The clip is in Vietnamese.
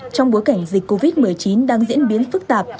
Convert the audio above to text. trong bối cảnh dịch covid một mươi chín đang diễn biến phức tạp